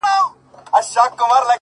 پام کوه بې پامه سترگي مه وهه!